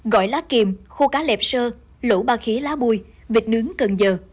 gỏi lá kìm khô cá lẹp sơ lỗ ba khía lá bùi vịt nướng cần giờ